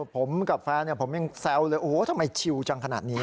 ผมกับแฟนผมยังแซวเลยโอ้โหทำไมชิวจังขนาดนี้